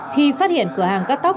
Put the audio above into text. khi phát hiện cửa hàng cắt tóc